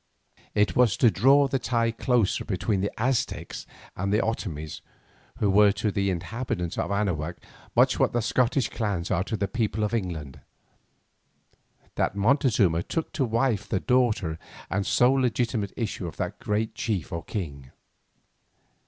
It was to draw the tie closer between the Aztecs and the Otomies, who were to the inhabitants of Anahuac much what the Scottish clans are to the people of England, that Montezuma took to wife the daughter and sole legitimate issue of their great chief or king.